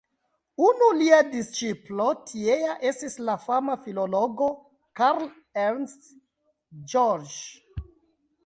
Unu lia disĉiplo tiea estis la fama filologo Karl Ernst Georges.